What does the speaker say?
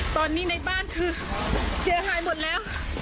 ตอนนี้ในบ้านคือเสียหายหมดแล้ว